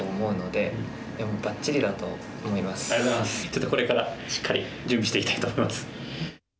ちょっとこれからしっかり準備していきたいと思います。